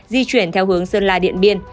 di chuyển theo hướng sơn la điện biên